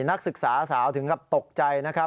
นักศึกษาสาวถึงกับตกใจนะครับ